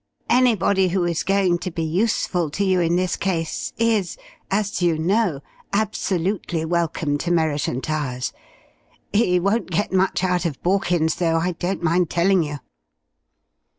Anybody who is going to be useful to you in this case is, as you know, absolutely welcome to Merriton Towers. He won't get much out of Borkins though, I don't mind telling you."